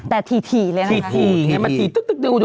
แต่ที่ที่เลยนะครับ